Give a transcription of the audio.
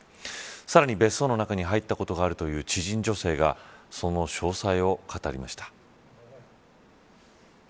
さらに別荘の中に入ったことがあるという知人女性がその詳細を語りました。